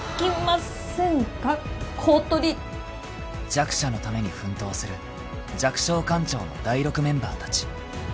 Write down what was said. ［弱者のために奮闘する弱小官庁のダイロクメンバーたち］